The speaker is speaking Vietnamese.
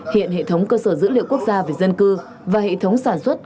hiện hệ thống cơ sở dữ liệu quốc gia về dân cư và hệ thống sản xuất